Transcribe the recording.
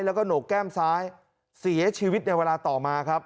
แล้วก็โหนกแก้มซ้ายเสียชีวิตในเวลาต่อมาครับ